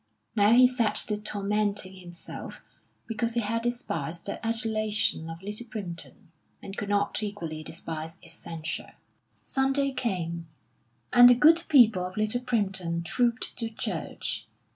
Now he set to tormenting himself because he had despised the adulation of Little Primpton, and could not equally despise its censure. Sunday came, and the good people of Little Primpton trooped to church.